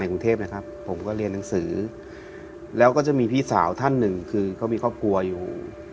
กรุงเทพนะครับผมก็เรียนหนังสือแล้วก็จะมีพี่สาวท่านหนึ่งคือเขามีครอบครัวอยู่